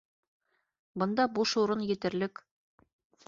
Бында буш урын етерлек